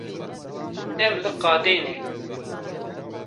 Em li qadê ne.